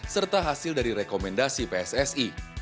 serta hasil dari rekomendasi pssi